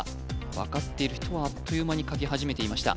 分かっている人はあっという間に書き始めていました